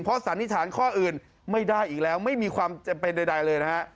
สันนิษฐานข้ออื่นไม่ได้อีกแล้วไม่มีความจำเป็นใดเลยนะฮะ